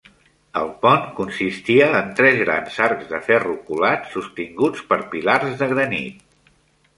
El pont consistia en tres grans arcs de ferro colat sostinguts per pilars de granit.